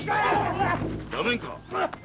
やめんかっ！